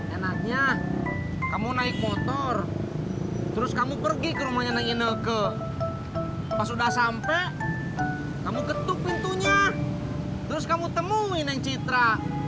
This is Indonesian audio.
enaknya kamu naik motor terus kamu pergi ke rumahnya nangine ke pas udah sampai kamu ketuk pintunya terus kamu temuin yang citra